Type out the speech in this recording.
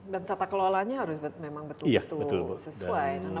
dan tata kelolaannya harus memang betul betul sesuai